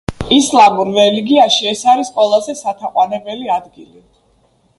ისლამურ რელიგიაში ეს არის ყველაზე სათაყვანებელი ადგილი.